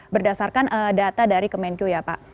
berdasarkan data dari kemenkyu ya pak